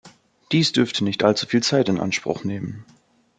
Dies dürfte nicht allzu viel Zeit in Anspruch nehmen.